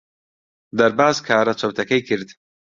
دەرباز کارە چەوتەکەی کرد.